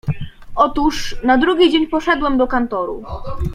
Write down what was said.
"Otóż, na drugi dzień poszedłem do kantoru."